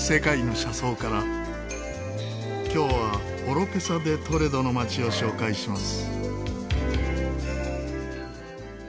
今日はオロペサ・デ・トレドの街を紹介します。